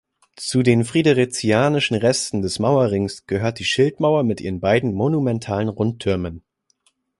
Zu den friderizianischen Resten dieses Mauerrings gehört die Schildmauer mit ihren beiden monumentalen Rundtürmen.